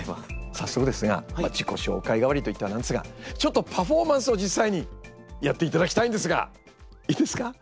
早速ですが自己紹介代わりといっては何ですがちょっとパフォーマンスを実際にやっていただきたいんですがいいですか？